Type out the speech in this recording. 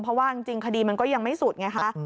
เพราะว่าจริงคดีมันก็ยังไม่สุดไงคะ